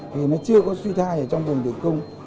thì nó chưa có suy thai ở trong vùng tử cung